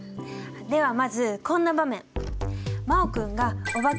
ではまずこんな場面。